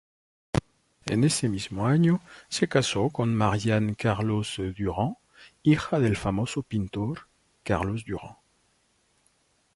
En ese mismo año, se casó con Marianne Carolus-Duran, hija del famoso pintor Carolus-Duran.